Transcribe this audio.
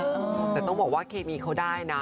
แต่ต้องบอกว่าเคมีเขาได้นะ